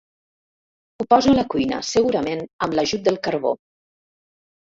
Ho poso a la cuina, segurament amb l'ajut del carbó.